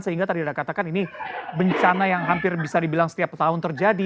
sehingga tadi ada katakan ini bencana yang hampir bisa dibilang setiap tahun terjadi